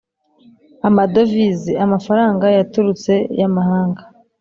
amadovize: amafaranga yaturutse y’amahanga.